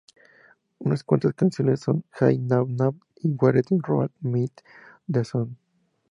Unas cuantas canciones son "Hey Na Na" y "Where the Road Meets the Sun".